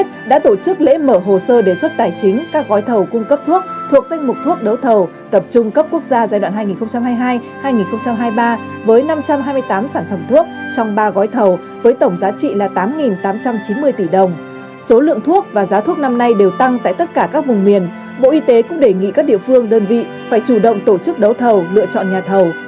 thực tế cũng đề nghị các địa phương đơn vị phải chủ động tổ chức đấu thầu lựa chọn nhà thầu